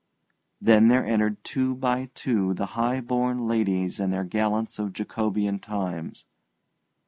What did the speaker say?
Then there entered two by two the high born ladies and their gallants of Jacobean times.